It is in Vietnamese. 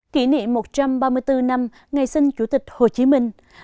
kỷ niệm một trăm ba mươi bốn năm ngày sinh chủ tịch hồ chí minh